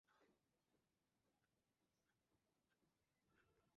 কেউ কেউ ধারণা করছেন, পুরুষ মাকড়সাদের মতো পার্কারেরও নারীদের সম্মোহন করার ক্ষমতা আছে।